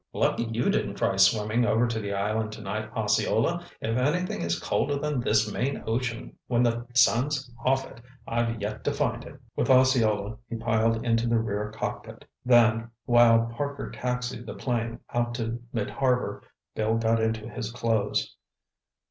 Lucky you didn't try swimming over to the island tonight, Osceola. If anything is colder than this Maine ocean when the sun's off it, I've yet to find it." With Osceola he piled into the rear cockpit. Then while, Parker taxied the plane out to mid harbor, Bill got into his clothes.